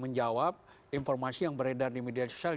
menjawab informasi yang beredar di media sosial